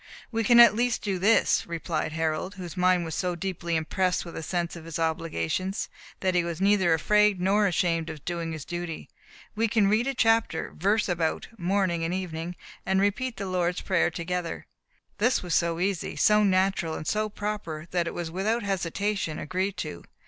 "We can at least do this," replied Harold, whose mind was so deeply impressed with a sense of his obligations, that he was neither afraid nor ashamed of doing his duty. "We can read a chapter, verse about, morning and evening, and repeat the Lord's prayer together." This was so easy, so natural, and so proper, that it was without hesitation agreed to.